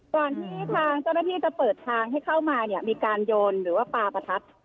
ก่อนที่ทางเจ้าหน้าที่จะเปิดทางให้เข้ามาเนี่ยมีการโยนหรือว่าปลาประทัด